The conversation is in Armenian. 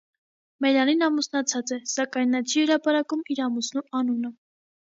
Մելանին ամուսնացած է, սակայն նա չի հրապարակում իր ամուսնու անունը։